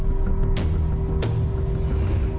ซึ่งตำนานการเกิดหุ่นคิภึ่งนี้นะคะ